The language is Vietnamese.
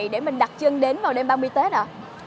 để mình đặt chân đến vào đêm ba mươi tết ạ